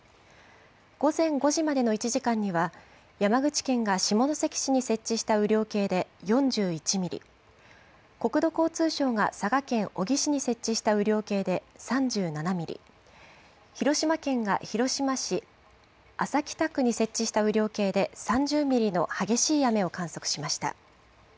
午前５時までの１時間には、山口県が下関市に設置した雨量計で４１ミリ、国土交通省が佐賀県小城市に設置した雨量計で３７ミリ、広島県が広島市安佐北区に設置した雨量計で３０ミリの激しい雨を観測しました。